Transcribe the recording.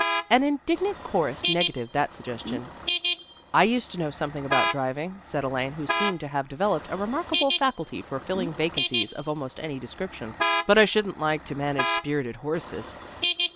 An indignant chorus negatived that suggestion. "I used to know something about driving," said Elaine, who seemed to have developed a remarkable faculty for filling vacancies of almost any description. "But I shouldn't like to try to manage spirited horses.